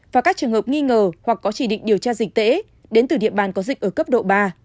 và các trường hợp nghi ngờ hoặc có chỉ định điều tra dịch tễ đến từ địa bàn có dịch ở cấp độ ba